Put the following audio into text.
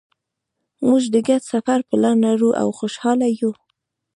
مونږ د ګډ سفر پلان لرو او خوشحاله یو